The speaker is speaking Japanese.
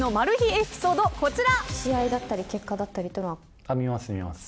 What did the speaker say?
エピソードこちら。